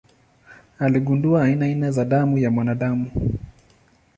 Aligundua aina nne za damu ya mwanadamu.